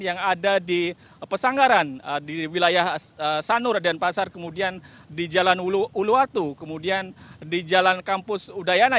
yang ada di pesanggaran di wilayah sanur denpasar kemudian di jalan uluwatu kemudian di jalan kampus udayana